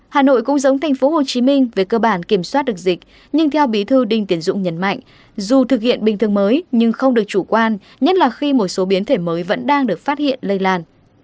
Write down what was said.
hà nội cũng giống thành phố hồ chí minh về cơ bản kiểm soát được dịch nhưng theo bí thư đinh tiến dũng nhấn mạnh dù thực hiện bình thường mới nhưng không được chủ quan nhất là khi một số biến thể mới vẫn đang được phát hiện lây lan